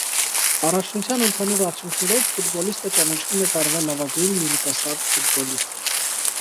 Առաջնության ընդհանուր արդյունքներով ֆուտբոլիստը ճանաչվում է տարվա լավագույն երիտասարդ ֆուտբոլիստ։